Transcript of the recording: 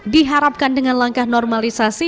diharapkan dengan langkah normalisasi